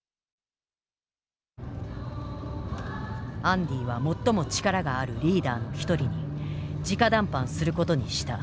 アンディは最も力があるリーダーの一人にじか談判することにした。